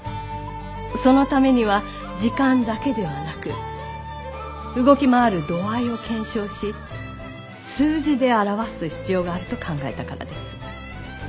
そのためには時間だけではなく動き回る度合いを検証し数字で表す必要があると考えたからです。